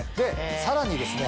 さらにですね